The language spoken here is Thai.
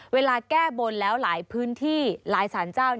เวลาแก้บนแล้วหลายพื้นที่หลายสารเจ้า